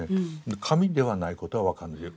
紙ではないことは分かるんですよ